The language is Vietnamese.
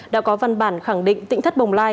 đã có văn bản khẳng định tỉnh thất bồng lai